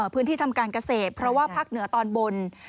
ทำการเกษตรเพราะว่าภาคเหนือตอนบน